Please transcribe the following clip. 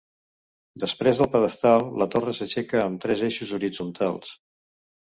Després del pedestal, la torre s'aixeca amb tres eixos horitzontals.